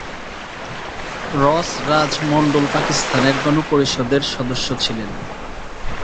রস রাজ মন্ডল পাকিস্তানের গণপরিষদের সদস্য ছিলেন।